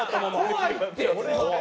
怖いって！